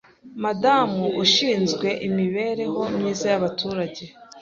Madamu Ushinzwe Imiereho Myiza y’Aturage